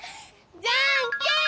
じゃんけん。